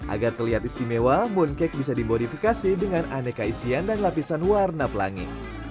agar terlihat istimewa mooncake bisa dimodifikasi dengan aneka isian dan lapisan warna pelangi